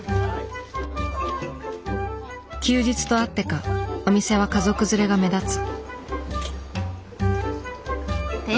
休日とあってかお店は家族連れが目立つ。